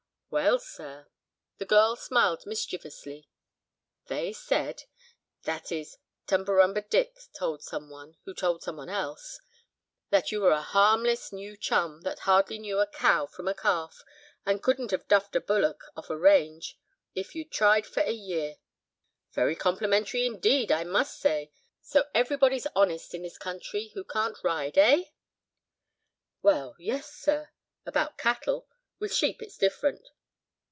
"Well, sir"—the girl smiled mischievously—"they said—(that is Tumberumba Dick told some one, who told some one else), that you were a harmless 'New Chum,' that hardly knew a cow from a calf, and couldn't have 'duffed' a bullock off a range, if you'd tried for a year." "Very complimentary indeed, I must say. So everybody's honest in this country who can't ride—eh?" "Well, yes, sir—about cattle; with sheep it's different."